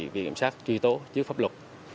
vì kiểm soát truy tố trước pháp luật